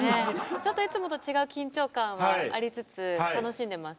ちょっといつもと違う緊張感はありつつ楽しんでます。